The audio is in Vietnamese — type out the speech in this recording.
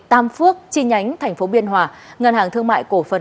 tam phước chi nhánh tp biên hòa ngân hàng thương mại cổ phần